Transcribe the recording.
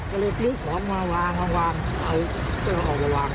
ก็เลยกลิ้วของมาวางเอาออกมาวาง